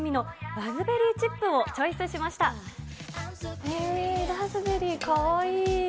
ラズベリー、かわいい。